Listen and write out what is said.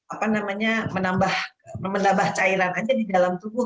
apa namanya menambah cairan aja di dalam tubuh